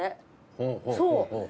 そう。